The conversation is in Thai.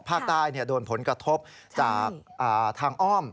ภาคใต้โดนผลกระทบจากทางอ้อม